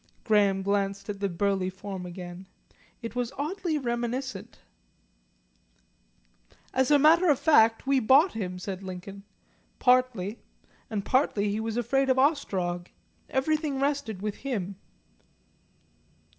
Graham glanced at the burly form again. It was oddly reminiscent. "As a matter of fact we bought him," said Lincoln. "Partly. And partly he was afraid of Ostrog. Everything rested with him."